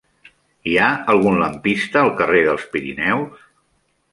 Hi ha algun lampista al carrer dels Pirineus?